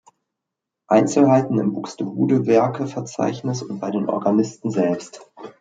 Einzelheiten im Buxtehude-Werke-Verzeichnis und bei den Organisten selbst.